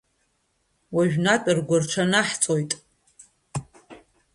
Уажәнатә ргәырҽанаҳҵоит!